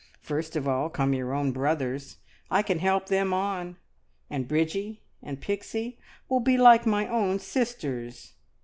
First of all come your own brothers. I can help them on, and Bridgie and Pixie will be like my own sisters.